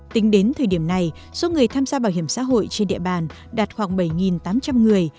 tính đến thời điểm này số người tham gia bảo hiểm xã hội trên địa bàn đạt khoảng bảy tám trăm linh người